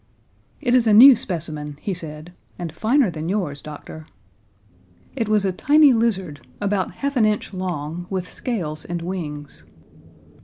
"It is a new specimen," he said, "and finer than yours, Doctor." It was a tiny lizard, about half an inch long with scales and wings.